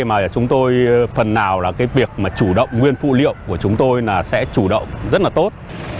mà chúng tôi phần nào là việc chủ động nguyên phụ liệu của chúng tôi sẽ chủ động rất là tốt